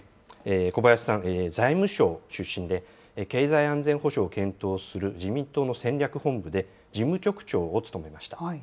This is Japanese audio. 小林さん、財務省出身で、経済安全保障を検討する自民党の戦略本部で事務局長を務めました。